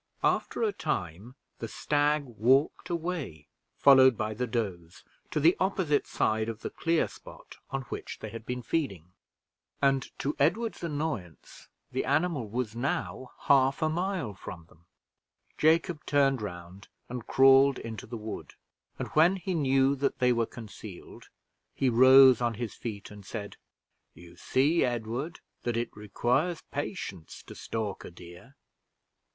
After a time the stag walked away, followed by the does, to the opposite side of the clear spot on which they had been feeding, and, to Edward's annoyance, the animal was half a mile from them. Jacob turned round and crawled into the wood, and when he knew that they were concealed, he rose on his feet and said, "You see, Edward, that it requires patience to stalk a deer.